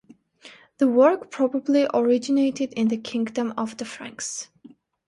The work probably originated in the Kingdom of the Franks.